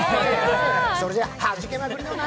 それじゃあはじけまくりの夏